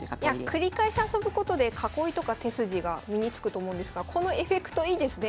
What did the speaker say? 繰り返し遊ぶことで囲いとか手筋が身につくと思うんですがこのエフェクトいいですね。